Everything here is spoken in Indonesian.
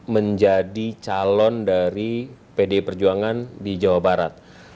menjadi calon dari pdi perjuangan di jawa barat